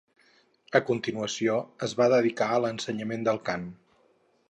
A continuació es va dedicar a l'ensenyament del cant.